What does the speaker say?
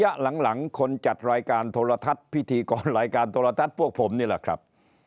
หลังคนจัดรายการโทรทัศน์พิธีกรรายการโทรทัศน์พวกผมนี่แหละครับ